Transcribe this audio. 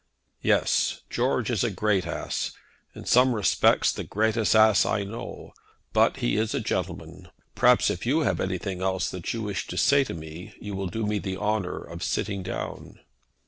"Yes; George is a great ass; in some respects the greatest ass I know; but he is a gentleman. Perhaps if you have anything else that you wish to say you will do me the honour of sitting down."